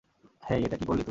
হেই, এটা কী করলি তুই?